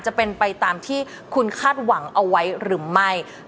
จะเป็นไปตามที่คุณคาดหวังเอาไว้หรือไม่